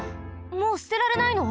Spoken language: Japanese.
もうすてられないの？